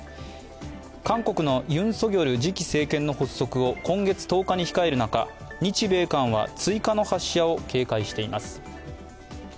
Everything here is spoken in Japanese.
韓国のユン・ソギョル次期政権の発足を今月１０日に控える中、日米韓は追加の発射を警戒しています。